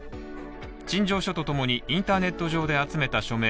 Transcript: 陳情書とともに、インターネット上で集めた署名